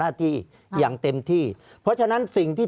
ภารกิจสรรค์ภารกิจสรรค์